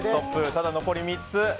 ただ残り３つ。